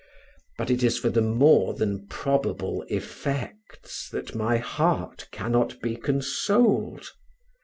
But it is for the more than probable effects that my heart cannot be consoled.